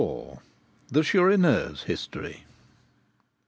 THE CHOURINEUR'S HISTORY.